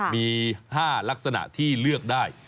มี๕ลักษณะที่เลือกได้